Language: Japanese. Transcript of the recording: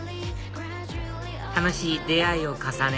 楽しい出会いを重ね